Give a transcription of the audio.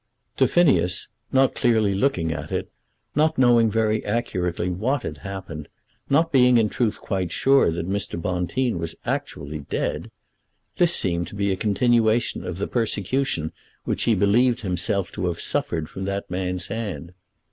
To Phineas, not clearly looking at it, not knowing very accurately what had happened, not being in truth quite sure that Mr. Bonteen was actually dead, this seemed to be a continuation of the persecution which he believed himself to have suffered from that man's hand.